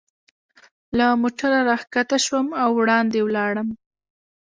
له موټره را کښته شوم او وړاندې ولاړم.